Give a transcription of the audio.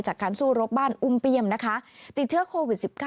จากการสู้รบบ้านอุ้มเปี้ยมนะคะติดเชื้อโควิด๑๙